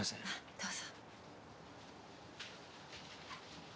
どうぞ。